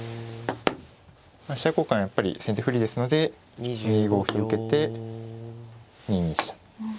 やっぱり先手不利ですので２五歩と受けて２ニ飛車。